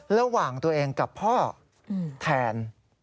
ระหว่างตัวเองกับพ่อแทน